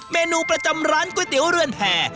เมนูประจำร้านก๋วยเตี๋ยวเรือนแผ่